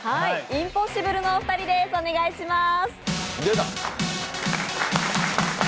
インポッシブルのお二人です、お願いします。